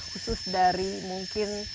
khusus dari mungkin